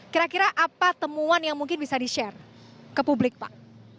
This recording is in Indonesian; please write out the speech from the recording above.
kira kira apa temuan yang mungkin bisa di share ke publik pak